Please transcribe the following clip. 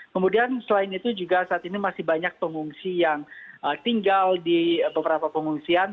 kemudian selain itu juga saat ini masih banyak pengungsi yang tinggal di beberapa pengungsian